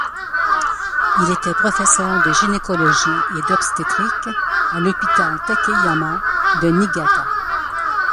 Il était professeur de gynécologie et d'obstétrique à l'hôpital Takeyama de Niigata.